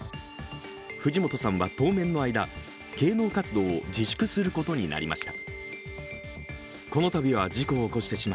藤本さんは当面の間芸能活動を自粛することになりました。